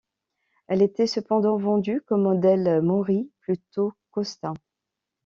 Elles étaient cependant vendues comme modèles Morris plutôt qu'Austin.